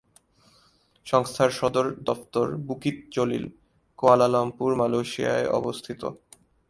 সংস্থার সদর দফতর বুকিত জলিল, কুয়ালালামপুর, মালয়েশিয়ায় অবস্থিত।